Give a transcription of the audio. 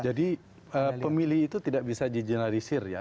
jadi pemilih itu tidak bisa di generalisir ya